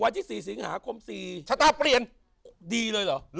วันที่๔สิงหาคม๔ชะตาเปลี่ยนดีเลยเหรอ